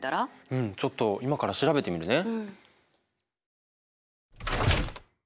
うんちょっと今から調べてみるね。